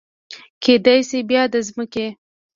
کیدای شي بیا د مځکې